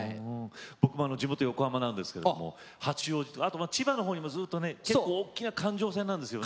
僕も地元横浜なんですけど八王子とあと千葉のほうにもずっと大きな環状線なんですよね。